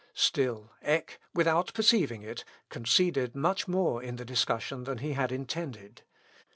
Still Eck, without perceiving it, conceded much more in the discussion than he had intended.